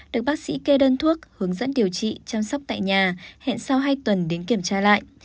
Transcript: được bác sĩ kê đơn thuốc hướng dẫn điều trị chăm sóc tại nhà hẹn sau hai tuần đến kiểm tra lại